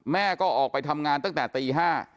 แม่ก็ออกไปทำงานตั้งแต่ตี๕